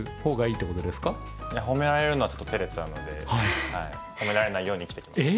いや褒められるのはちょっとてれちゃうので褒められないように生きてきました。